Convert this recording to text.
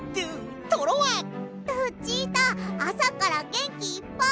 ルチータあさからげんきいっぱい！